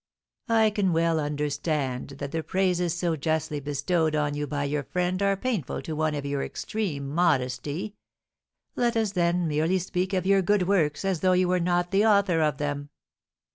"I can well understand that the praises so justly bestowed on you by your friend are painful to one of your extreme modesty; let us, then, merely speak of your good works as though you were not the author of them.